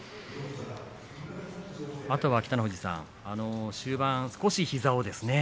あとは北の富士さん終盤少し膝をですね